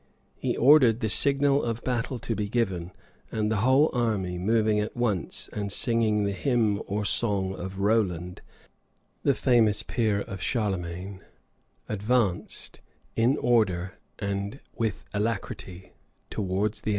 [] He ordered the signal of battle to be given; and the whole army, moving at once, and singing the hymn or song of Roland, the famous peer of Charlemagne,[] advanced, in order and with alacrity, towards the enemy.